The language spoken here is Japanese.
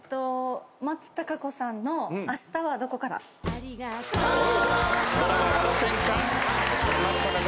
松たか子さんの『明日はどこから』お見事。